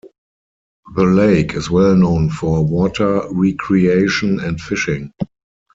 The lake is well known for water recreation and fishing.